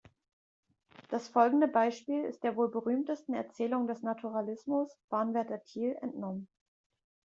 Das folgende Beispiel ist der wohl berühmtesten Erzählung des Naturalismus, "Bahnwärter Thiel", entnommen.